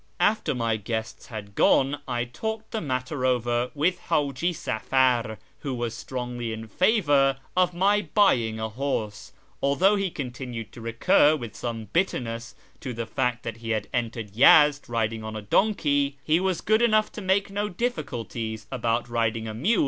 After my guests had gone I talked the matter over with Hiiji Safar, who was strongly in favour of my buying a horse. Although he continued to recur with some bitterness to the fact that he had entered Yezd riding on a donkey, he was good enough to make no difficulties about riding a mule to Kirman.